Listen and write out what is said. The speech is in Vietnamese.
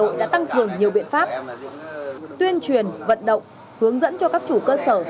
cơ quan hà nội đã tăng cường nhiều biện pháp tuyên truyền vận động hướng dẫn cho các chủ cơ sở